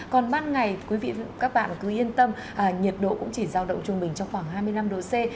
còn ban ngày quý vị các bạn cứ yên tâm nhiệt độ cũng chỉ giao động trung bình trong khoảng hai mươi năm độ c